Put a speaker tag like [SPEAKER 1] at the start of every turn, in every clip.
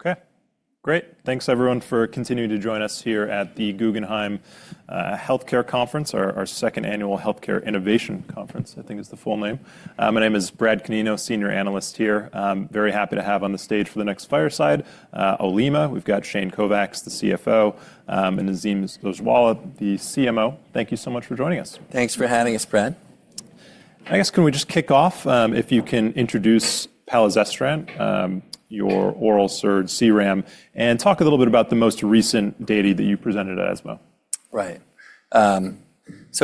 [SPEAKER 1] Okay. Great. Thanks, everyone, for continuing to join us here at the Guggenheim Healthcare Conference, our second annual Healthcare Innovation Conference, I think is the full name. My name is Brad Canino, Senior Analyst here. Very happy to have on the stage for the next fireside Olema. We've got Shane Kovacs, the CFO, and Naseem Zojwalla, the CMO. Thank you so much for joining us.
[SPEAKER 2] Thanks for having us, Brad.
[SPEAKER 1] I guess, can we just kick off? If you can introduce Palazestrant, your oral SERD, CERAN, and talk a little bit about the most recent data that you presented at ESMO.
[SPEAKER 2] Right.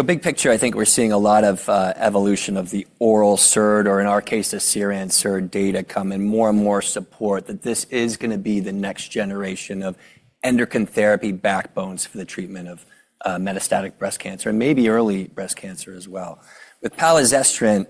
[SPEAKER 2] Big picture, I think we're seeing a lot of evolution of the oral SERD, or in our case, the CERAN/SERD data come in, more and more support that this is going to be the next generation of endocrine therapy backbones for the treatment of metastatic breast cancer, and maybe early breast cancer as well. With Palazestrant,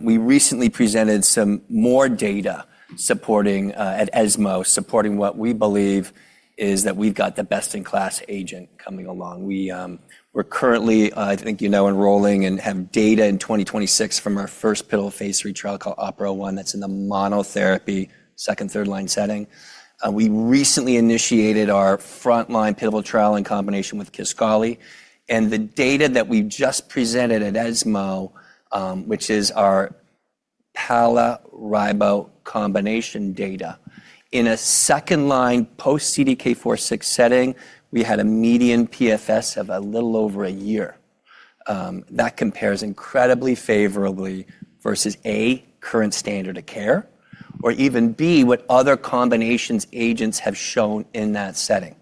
[SPEAKER 2] we recently presented some more data supporting at ESMO, supporting what we believe is that we've got the best-in-class agent coming along. We're currently, I think you know, enrolling and have data in 2026 from our first pivotal phase III trial called OPERA-01 that's in the monotherapy second, third line setting. We recently initiated our frontline pivotal trial in combination with Kisqali. The data that we just presented at ESMO, which is our Palazestrant-Ribociclib combination data, in a second line post-CDK4/6i setting, we had a median PFS of a little over a year. That compares incredibly favorably versus A, current standard of care, or even B, what other combination agents have shown in that setting.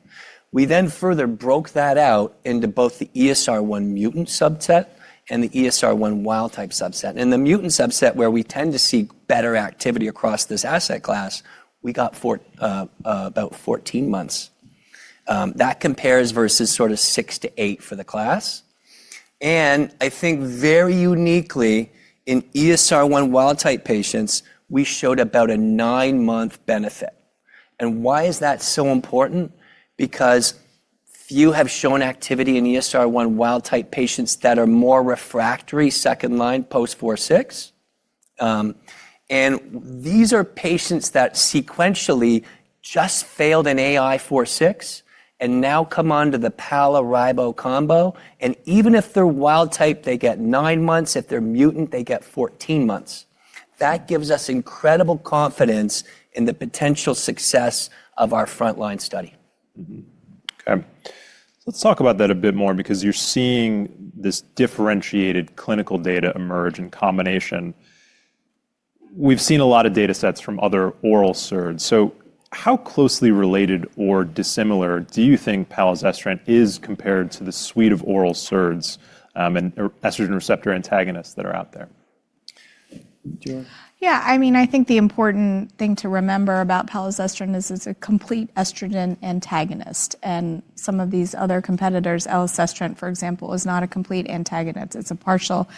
[SPEAKER 2] We then further broke that out into both the ESR1 mutant subset and the ESR1 wild-type subset. In the mutant subset, where we tend to see better activity across this asset class, we got about 14 months. That compares versus sort of six to eight for the class. I think very uniquely, in ESR1 wild-type patients, we showed about a nine-month benefit. Why is that so important? Because few have shown activity in ESR1 wild-type patients that are more refractory second line post-CDK4/6i. These are patients that sequentially just failed an AI +CDK4/6i and now come on to the Palazestrant-Ribociclib combo. Even if they're wild-type, they get nine months. If they're mutant, they get 14 months. That gives us incredible confidence in the potential success of our frontline study.
[SPEAKER 1] Okay. Let's talk about that a bit more, because you're seeing this differentiated clinical data emerge in combination. We've seen a lot of data sets from other oral SERDs. How closely related or dissimilar do you think Palazestrant is compared to the suite of oral SERDs and estrogen receptor antagonists that are out there?
[SPEAKER 3] Yeah, I mean, I think the important thing to remember about Palazestrant is it's a complete estrogen antagonist. And some of these other competitors, elacestrant, for example, is not a complete antagonist. It's a partial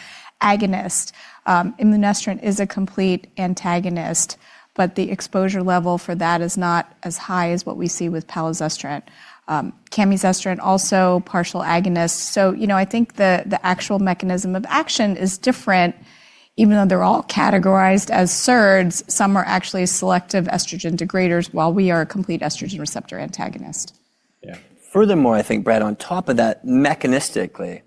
[SPEAKER 3] agonist. Imlunestrant is a complete antagonist, but the exposure level for that is not as high as what we see with Palazestrant. Camizestrant, also partial agonist. So, you know, I think the actual mechanism of action is different. Even though they're all categorized as SERDs, some are actually selective estrogen degraders, while we are a complete estrogen receptor antagonist.
[SPEAKER 2] Yeah. Furthermore, I think, Brad, on top of that, mechanistically,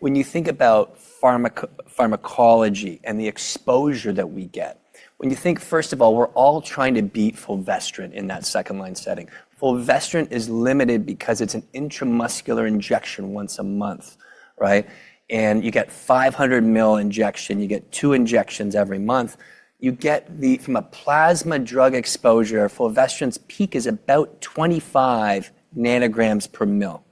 [SPEAKER 2] when you think about pharmacology and the exposure that we get, when you think, first of all, we're all trying to beat Fulvestrant in that second line setting. Fulvestrant is limited because it's an intramuscular injection once a month, right? And you get 500 ml injection. You get two injections every month. You get the, from a plasma drug exposure, Fulvestrant's peak is about 25 nanograms per ml.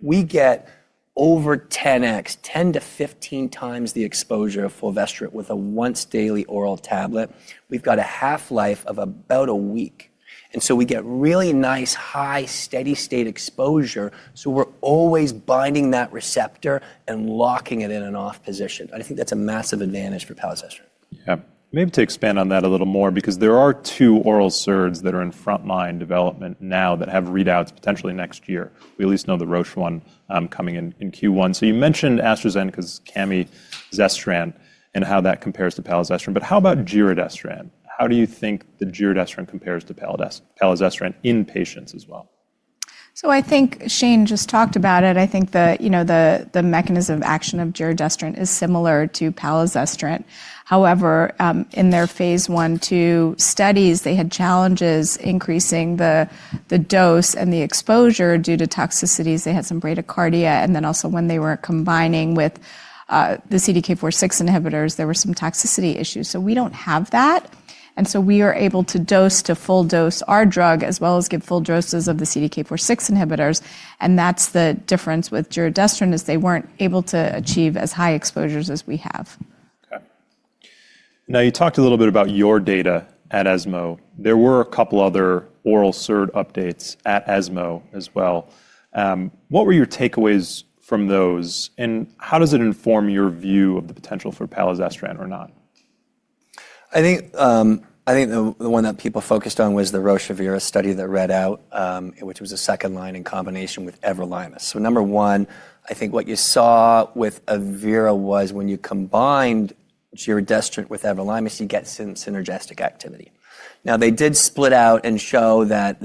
[SPEAKER 2] We get over 10x, 10x-15x the exposure of Fulvestrant with a once daily oral tablet. We've got a half life of about a week. We get really nice, high, steady state exposure. We're always binding that receptor and locking it in an off position. I think that's a massive advantage for Palazestrant.
[SPEAKER 1] Yeah. Maybe to expand on that a little more, because there are two oral SERDs that are in frontline development now that have readouts potentially next year. We at least know the Roche one coming in Q1. You mentioned AstraZeneca's Camizestrant and how that compares to Palazestrant. How about giredestrant? How do you think the giredestrant compares to Palazestrant in patients as well?
[SPEAKER 3] I think Shane just talked about it. I think the, you know, the mechanism of action of giredestrant is similar to Palazestrant. However, in their phase I to two studies, they had challenges increasing the dose and the exposure due to toxicities. They had some bradycardia. Also, when they were combining with the CDK4/6i inhibitors, there were some toxicity issues. We do not have that. We are able to dose to full dose our drug, as well as give full doses of the CDK4/6i inhibitors. The difference with giredestrant is they were not able to achieve as high exposures as we have.
[SPEAKER 1] Okay. Now you talked a little bit about your data at ESMO. There were a couple other oral SERD updates at ESMO as well. What were your takeaways from those? How does it inform your view of the potential for Palazestrant or not?
[SPEAKER 2] I think the one that people focused on was the Roche evERA study that read out, which was a second line in combination with everolimus. Number one, I think what you saw with evERA was when you combined giredestrant with everolimus, you get synergistic activity. Now they did split out and show that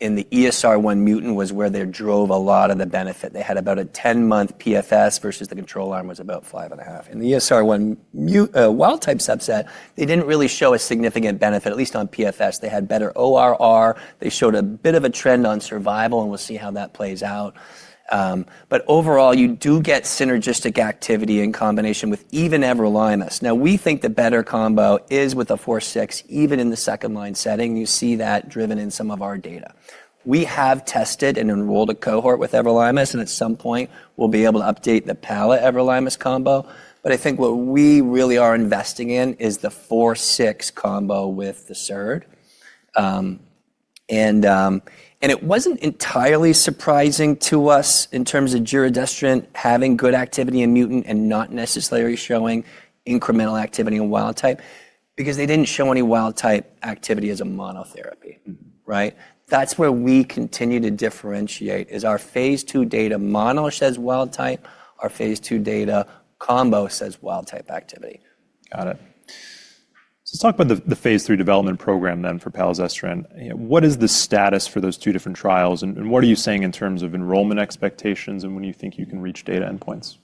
[SPEAKER 2] in the ESR1 mutant was where they drove a lot of the benefit. They had about a 10-month PFS versus the control arm was about five and a half. In the ESR1 wild-type subset, they did not really show a significant benefit, at least on PFS. They had better ORR. They showed a bit of a trend on survival, and we will see how that plays out. Overall, you do get synergistic activity in combination with even everolimus. We think the better combo is with a CDK4/6i, even in the second line setting. You see that driven in some of our data. We have tested and enrolled a cohort with everolimus, and at some point, we'll be able to update the palazestrant-everolimus combo. I think what we really are investing in is the CDK4/6i combo with the SERD. It wasn't entirely surprising to us in terms of giredestrant having good activity in mutant and not necessarily showing incremental activity in wild-type, because they didn't show any wild-type activity as a monotherapy, right? That's where we continue to differentiate is our phase II data mono says wild-type, our phase II data combo says wild-type activity.
[SPEAKER 1] Got it. Let's talk about the phase III development program then for Palazestrant. What is the status for those two different trials? What are you seeing in terms of enrollment expectations and when you think you can reach data endpoints?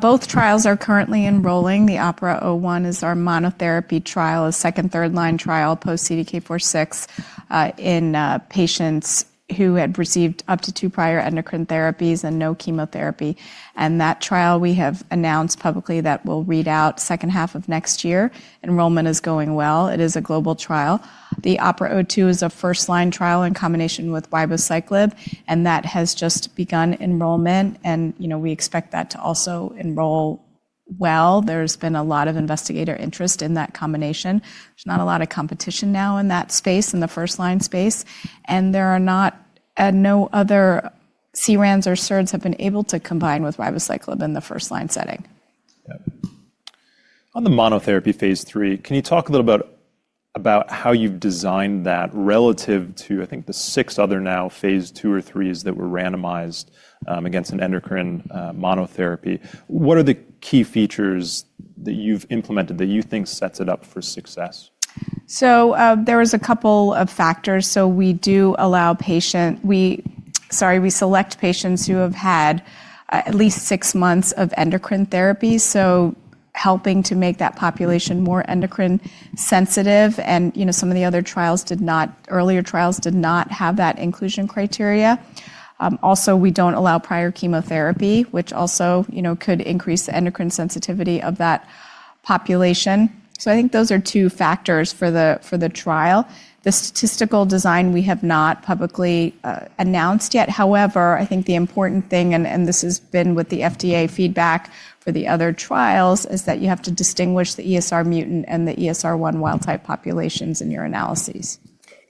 [SPEAKER 3] Both trials are currently enrolling. The OPERA-01 is our monotherapy trial, a second, third line trial post-CDK4/6i in patients who had received up to two prior endocrine therapies and no chemotherapy. That trial we have announced publicly will read out second half of next year. Enrollment is going well. It is a global trial. The OPERA-02 is a first line trial in combination with ribociclib, and that has just begun enrollment. You know, we expect that to also enroll well. There's been a lot of investigator interest in that combination. There's not a lot of competition now in that space, in the first line space. There are not, no other CERANs or SERDs have been able to combine with ribociclib in the first line setting.
[SPEAKER 1] Yeah. On the monotherapy phase III, can you talk a little about how you've designed that relative to, I think, the six other now phase II or threes that were randomized against an endocrine monotherapy? What are the key features that you've implemented that you think sets it up for success?
[SPEAKER 3] There was a couple of factors. We do allow patient, we, sorry, we select patients who have had at least six months of endocrine therapy, helping to make that population more endocrine sensitive. You know, some of the other trials did not, earlier trials did not have that inclusion criteria. Also, we do not allow prior chemotherapy, which also could increase the endocrine sensitivity of that population. I think those are two factors for the trial. The statistical design we have not publicly announced yet. However, I think the important thing, and this has been with the FDA feedback for the other trials, is that you have to distinguish the ESR1 mutant and the ESR1 wild-type populations in your analyses.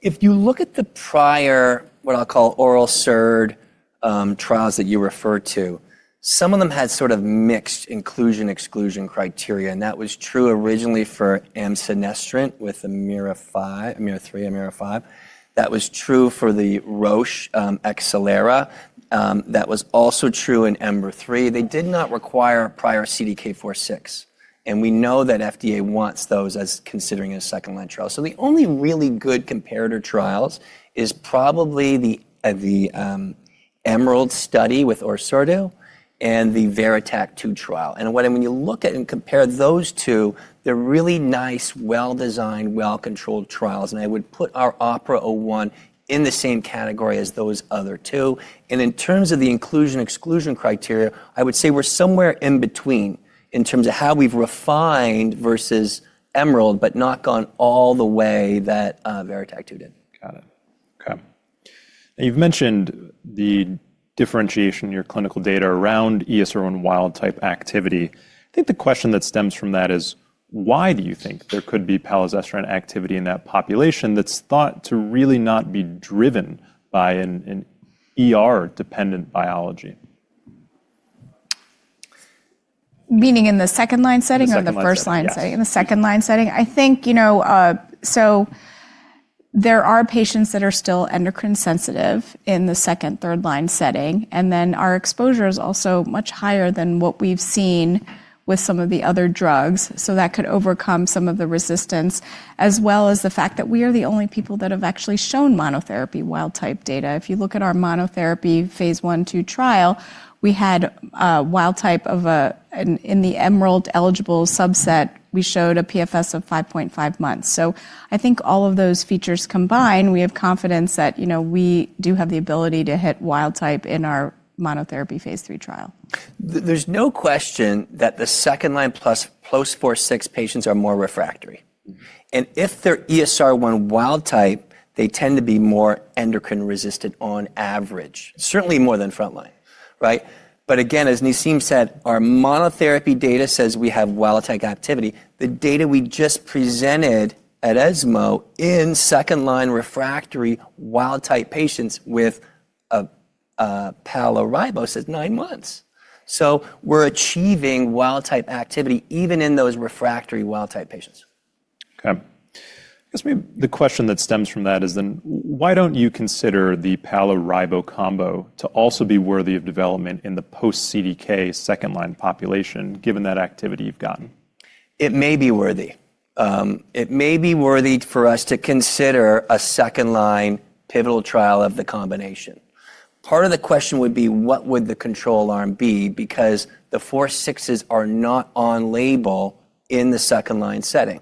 [SPEAKER 2] If you look at the prior, what I'll call oral SERD trials that you referred to, some of them had sort of mixed inclusion/exclusion criteria. That was true originally for Amcenestrant with AMEERA-3, AMEERA-5. That was true for the Roche giredestrant. That was also true in EMBER-3. They did not require prior CDK4/6i. We know that FDA wants those as considering a second line trial. The only really good comparator trials are probably the EMERALD study with Orserdu and the VERITAC-2 trial. When you look at and compare those two, they're really nice, well-designed, well-controlled trials. I would put our OPERA-01 in the same category as those other two. In terms of the inclusion/exclusion criteria, I would say we're somewhere in between in terms of how we've refined versus EMERALD, but not gone all the way that VERITAC-2 did.
[SPEAKER 1] Got it. Okay. Now you've mentioned the differentiation in your clinical data around ESR1 wild-type activity. I think the question that stems from that is, why do you think there could be Palazestrant activity in that population that's thought to really not be driven by an ER-dependent biology?
[SPEAKER 3] Meaning in the second line setting or the first line setting? In the second line setting. I think, you know, there are patients that are still endocrine sensitive in the second, third line setting. Our exposure is also much higher than what we've seen with some of the other drugs. That could overcome some of the resistance, as well as the fact that we are the only people that have actually shown monotherapy wild-type data. If you look at our monotherapy phase I to trial, we had wild-type in the EMERALD eligible subset, we showed a PFS of 5.5 months. I think all of those features combined, we have confidence that, you know, we do have the ability to hit wild-type in our monotherapy phase III trial.
[SPEAKER 2] There's no question that the second line plus post-CDK4/6i patients are more refractory. If they're ESR1 wild-type, they tend to be more endocrine resistant on average, certainly more than frontline, right? Again, as Naseem said, our monotherapy data says we have wild-type activity. The data we just presented at ESMO in second line refractory wild-type patients with Palazestrant-Ribociclib says nine months. We're achieving wild-type activity even in those refractory wild-type patients.
[SPEAKER 1] Okay. I guess maybe the question that stems from that is then, why don't you consider the Palazestrant-Ribociclib combo to also be worthy of development in the post-CDK second line population, given that activity you've gotten?
[SPEAKER 2] It may be worthy. It may be worthy for us to consider a second line pivotal trial of the combination. Part of the question would be, what would the control arm be? Because the CDK4/6is are not on label in the second line setting.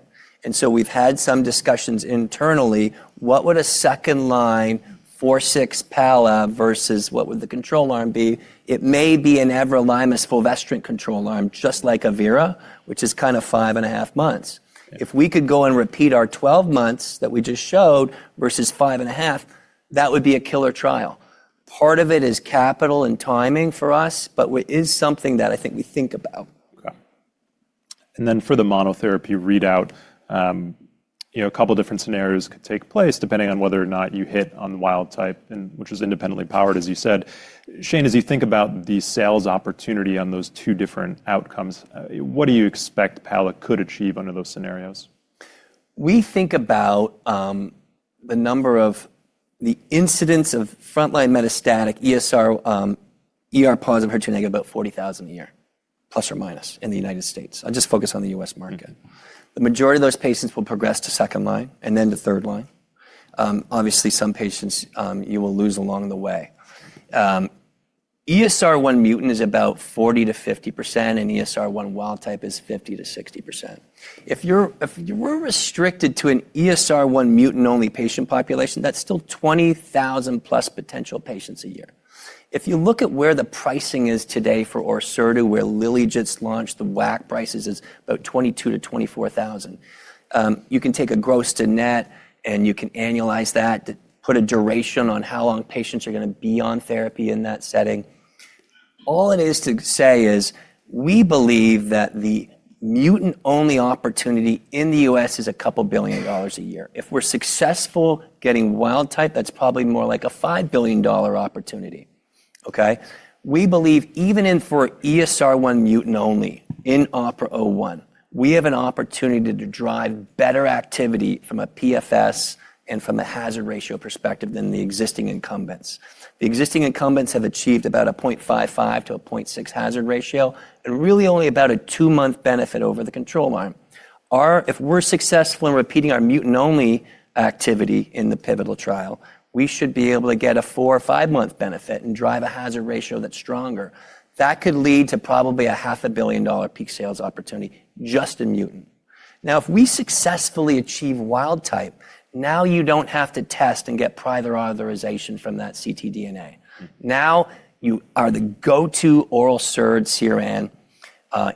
[SPEAKER 2] We have had some discussions internally. What would a second line CDK4/6i Palazestrant versus what would the control arm be? It may be an everolimus fulvestrant control arm, just like evERA, which is kind of five and a half months. If we could go and repeat our 12 months that we just showed versus five and a half, that would be a killer trial. Part of it is capital and timing for us, but it is something that I think we think about.
[SPEAKER 1] Okay. For the monotherapy readout, you know, a couple different scenarios could take place depending on whether or not you hit on wild-type, which is independently powered, as you said. Shane, as you think about the sales opportunity on those two different outcomes, what do you expect Palazestrant could achieve under those scenarios?
[SPEAKER 2] We think about the number of the incidence of frontline metastatic ESR, ER+/HER2-, about 40,000 a year, plus or minus, in the United States. I'll just focus on the U.S. market. The majority of those patients will progress to second line and then to third line. Obviously, some patients you will lose along the way. ESR1 mutant is about 40%-50%, and ESR1 wild-type is 50%-60%. If you're, if you were restricted to an ESR1 mutant only patient population, that's still 20,000+ potential patients a year. If you look at where the pricing is today for Orserdu, where Lilly just launched, the WAC price is about $22,000-$24,000. You can take a gross to net, and you can annualize that to put a duration on how long patients are going to be on therapy in that setting. All it is to say is we believe that the mutant only opportunity in the U.S. is a couple billion dollars a year. If we're successful getting wild-type, that's probably more like a $5 billion opportunity, okay? We believe even in for ESR1 mutant only in OPERA-01, we have an opportunity to drive better activity from a PFS and from a hazard ratio perspective than the existing incumbents. The existing incumbents have achieved about a 0.55 to a 0.6 hazard ratio and really only about a two-month benefit over the control arm. Our, if we're successful in repeating our mutant only activity in the pivotal trial, we should be able to get a four or five month benefit and drive a hazard ratio that's stronger. That could lead to probably a half a billion dollar peak sales opportunity just in mutant. Now, if we successfully achieve wild-type, now you don't have to test and get prior authorization from that ctDNA. Now you are the go-to oral SERD CERAN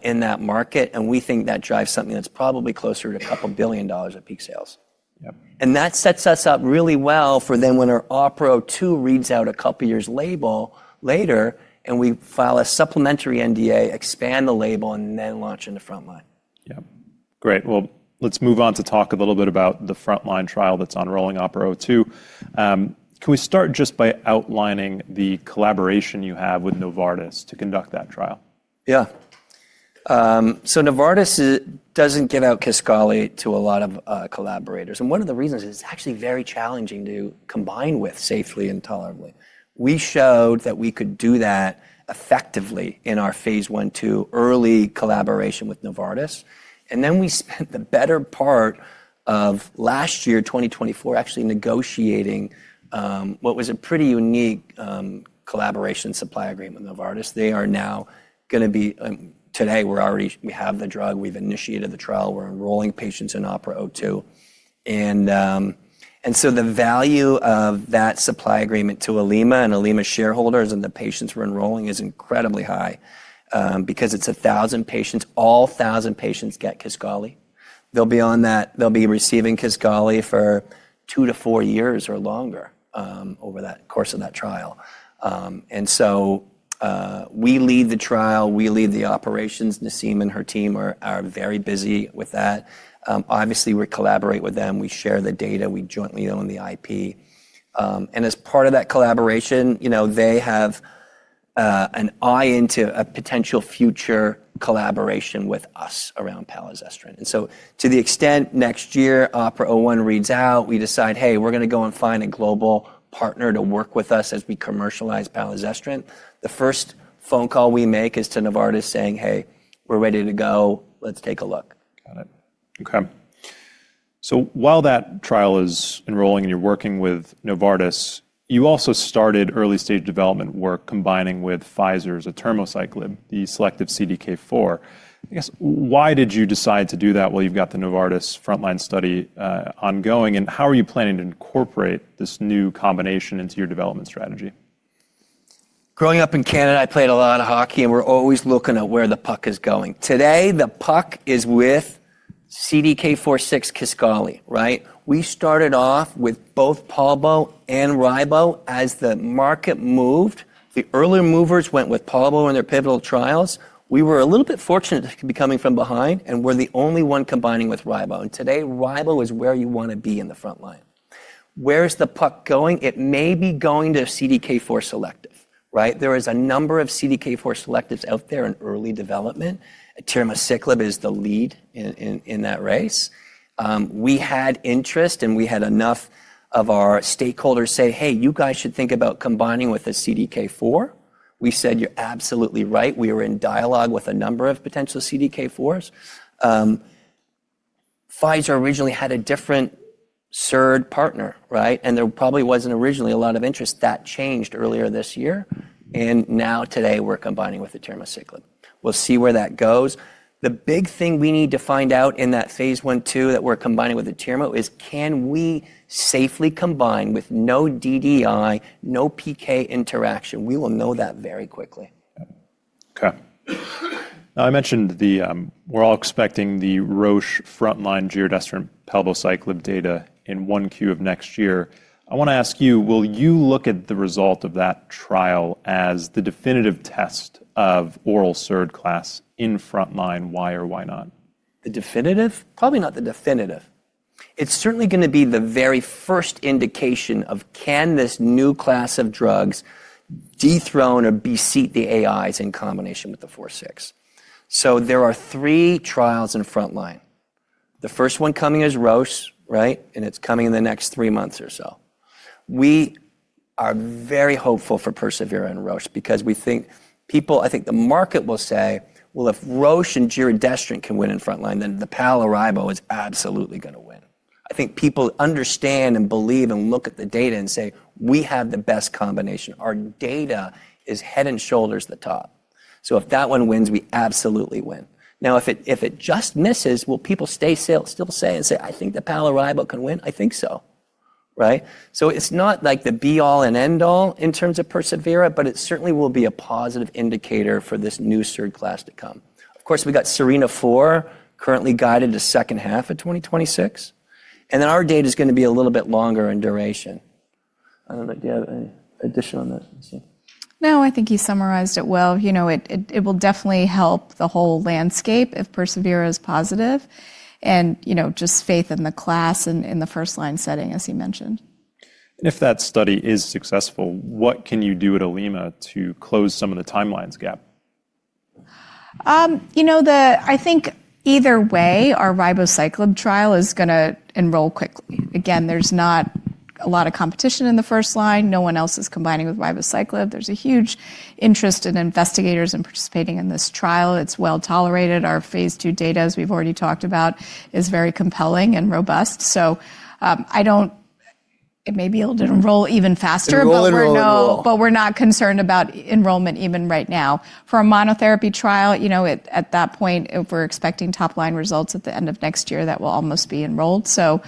[SPEAKER 2] in that market. We think that drives something that's probably closer to a couple billion dollars of peak sales.
[SPEAKER 1] Yep.
[SPEAKER 2] That sets us up really well for then when our OPERA-02 reads out a couple years later, and we file a supplementary NDA, expand the label, and then launch into frontline.
[SPEAKER 1] Yep. Great. Let's move on to talk a little bit about the frontline trial that's enrolling, OPERA-02. Can we start just by outlining the collaboration you have with Novartis to conduct that trial?
[SPEAKER 2] Yeah. Novartis does not give out Kisqali to a lot of collaborators. One of the reasons is it is actually very challenging to combine with safely and tolerably. We showed that we could do that effectively in our phase I to early collaboration with Novartis. We spent the better part of last year, 2024, actually negotiating what was a pretty unique collaboration supply agreement with Novartis. They are now going to be, today we are already, we have the drug, we have initiated the trial, we are enrolling patients in OPERA-02. The value of that supply agreement to Olema and Olema shareholders and the patients we are enrolling is incredibly high because it is 1,000 patients, all 1,000 patients get Kisqali. They will be on that, they will be receiving Kisqali for two to four years or longer over the course of that trial. We lead the trial, we lead the operations. Naseem and her team are very busy with that. Obviously, we collaborate with them, we share the data, we jointly own the IP. As part of that collaboration, you know, they have an eye into a potential future collaboration with us around Palazestrant. To the extent next year OPERA-01 reads out, we decide, hey, we're going to go and find a global partner to work with us as we commercialize Palazestrant. The first phone call we make is to Novartis saying, hey, we're ready to go, let's take a look.
[SPEAKER 1] Got it. Okay. While that trial is enrolling and you're working with Novartis, you also started early stage development work combining with Pfizer's atirmociclib, the selective CDK4. I guess why did you decide to do that while you've got the Novartis frontline study ongoing? How are you planning to incorporate this new combination into your development strategy?
[SPEAKER 2] Growing up in Canada, I played a lot of hockey and we're always looking at where the puck is going. Today the puck is with CDK4/6i Kisqali, right? We started off with both Palbociclib and Ribociclib as the market moved. The earlier movers went with Palbociclib in their pivotal trials. We were a little bit fortunate to be coming from behind and we're the only one combining with Ribociclib. Today Ribociclib is where you want to be in the frontline. Where's the puck going? It may be going to CDK4 selective, right? There is a number of CDK4 selectives out there in early development. Atirmociclib is the lead in that race. We had interest and we had enough of our stakeholders say, hey, you guys should think about combining with a CDK4. We said, you're absolutely right. We were in dialogue with a number of potential CDK4s. Pfizer originally had a different SERD partner, right? There probably was not originally a lot of interest. That changed earlier this year. Now today we are combining with the atirmociclib. We will see where that goes. The big thing we need to find out in that phase I to that we are combining with the atirmociclib is can we safely combine with no DDI, no PK interaction? We will know that very quickly.
[SPEAKER 1] Okay. Now I mentioned the, we're all expecting the Roche frontline giredestrant Palbociclib data in Q1 of next year. I want to ask you, will you look at the result of that trial as the definitive test of oral SERD class in frontline? Why or why not?
[SPEAKER 2] The definitive? Probably not the definitive. It's certainly going to be the very first indication of can this new class of drugs dethrone or beseat the AIs in combination with the CDK4/6i. There are three trials in frontline. The first one coming is Roche, right? It's coming in the next three months or so. We are very hopeful for persevERA and Roche because we think people, I think the market will say, if Roche and giredestrant can win in frontline, then the Palazestrant-Ribociclib is absolutely going to win. I think people understand and believe and look at the data and say, we have the best combination. Our data is head and shoulders the top. If that one wins, we absolutely win. Now, if it just misses, will people still say and say, I think the Palazestrant-Ribociclib can win? I think so, right? It's not like the be-all and end-all in terms of persevERA, but it certainly will be a positive indicator for this new SERD class to come. Of course, we got SERENA-4 currently guided to second half of 2026. And then our data is going to be a little bit longer in duration. I don't know if you have any addition on this, Naseem.
[SPEAKER 3] No, I think you summarized it well. You know, it will definitely help the whole landscape if persevERA is positive. You know, just faith in the class and in the first line setting, as he mentioned.
[SPEAKER 1] If that study is successful, what can you do at Olema to close some of the timelines gap?
[SPEAKER 3] You know, I think either way, our Ribociclib trial is going to enroll quickly. Again, there's not a lot of competition in the first line. No one else is combining with Ribociclib. There's a huge interest in investigators and participating in this trial. It's well tolerated. Our phase II data, as we've already talked about, is very compelling and robust. I don't, it may be able to enroll even faster, but we're not concerned about enrollment even right now. For a monotherapy trial, you know, at that point, if we're expecting top line results at the end of next year, that will almost be enrolled. You know,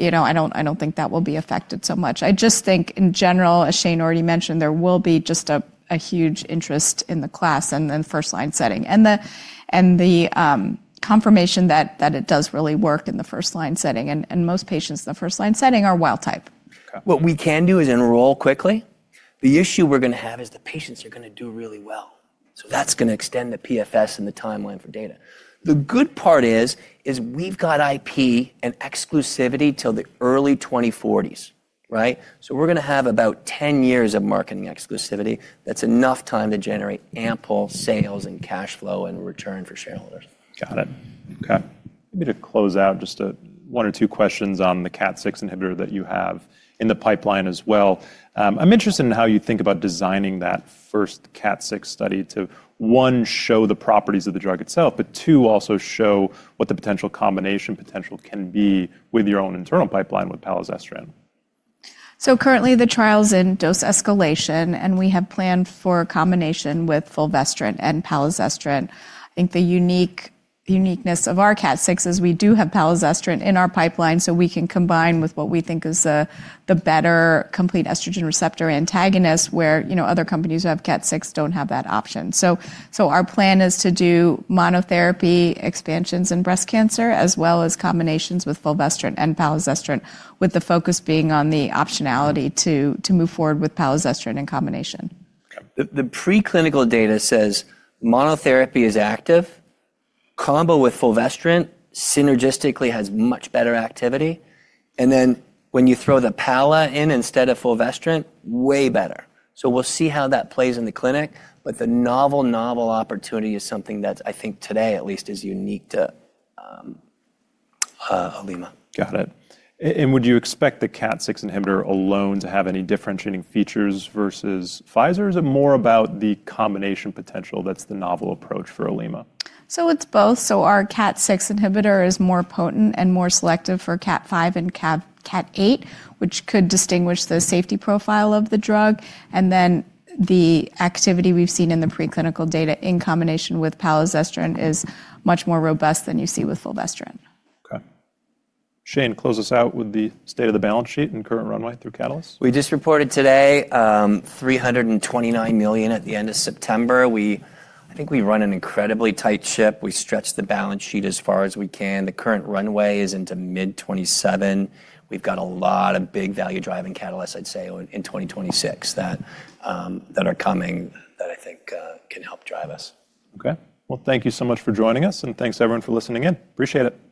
[SPEAKER 3] I don't think that will be affected so much. I just think in general, as Shane already mentioned, there will be just a huge interest in the class and then first line setting. The confirmation that it does really work in the first line setting. Most patients in the first line setting are wild-type.
[SPEAKER 2] What we can do is enroll quickly. The issue we're going to have is the patients are going to do really well. That's going to extend the PFS and the timeline for data. The good part is, is we've got IP and exclusivity till the early 2040s, right? We're going to have about 10 years of marketing exclusivity. That's enough time to generate ample sales and cash flow and return for shareholders.
[SPEAKER 1] Got it. Okay. Maybe to close out, just one or two questions on the KAT6 inhibitor that you have in the pipeline as well. I'm interested in how you think about designing that first KAT6 study to one, show the properties of the drug itself, but two, also show what the potential combination potential can be with your own internal pipeline with Palazestrant.
[SPEAKER 3] Currently the trial's in dose escalation and we have planned for a combination with Fulvestrant and Palazestrant. I think the uniqueness of our KAT6 is we do have Palazestrant in our pipeline so we can combine with what we think is the better complete estrogen receptor antagonist where, you know, other companies who have KAT6 do not have that option. Our plan is to do monotherapy expansions in breast cancer as well as combinations with Fulvestrant and Palazestrant, with the focus being on the optionality to move forward with Palazestrant in combination.
[SPEAKER 2] The preclinical data says monotherapy is active. Combo with Fulvestrant synergistically has much better activity. Then when you throw the Palazestrant in instead of Fulvestrant, way better. We will see how that plays in the clinic, but the novel, novel opportunity is something that I think today at least is unique to Olema.
[SPEAKER 1] Got it. Would you expect the KAT6 inhibitor alone to have any differentiating features versus Pfizer? Is it more about the combination potential that's the novel approach for Olema?
[SPEAKER 3] It's both. Our KAT6 inhibitor is more potent and more selective for KAT5 and KAT8, which could distinguish the safety profile of the drug. The activity we've seen in the preclinical data in combination with Palazestrant is much more robust than you see with Fulvestrant.
[SPEAKER 1] Okay. Shane, close us out with the state of the balance sheet and current runway through Catalyst.
[SPEAKER 2] We just reported today $329 million at the end of September. I think we run an incredibly tight ship. We stretch the balance sheet as far as we can. The current runway is into mid 2027. We've got a lot of big value driving catalysts, I'd say in 2026 that are coming that I think can help drive us.
[SPEAKER 1] Okay. Thank you so much for joining us and thanks everyone for listening in. Appreciate it.